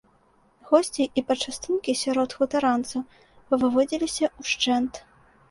Госці і пачастункі сярод хутаранцаў павыводзіліся ўшчэнт.